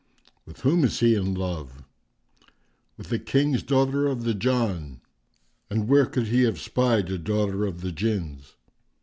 "With whom is he in love?" "With a King's daughter of the Jann." "And where could he have espied a daughter of the Jinns?"